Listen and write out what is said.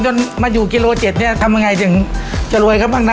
จนมาอยู่กิโลเจ็ดเนี่ยทำยังไงถึงจะรวยเขาบ้างนะ